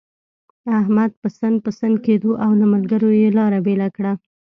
احمد پسن پسن کېدو، او له ملګرو يې لاره بېله کړه.